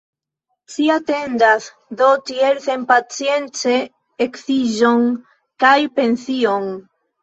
Ci atendas do tiel senpacience eksiĝon kaj pension!